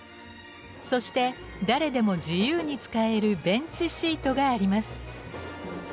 そして誰でも自由に使えるベンチシートがあります。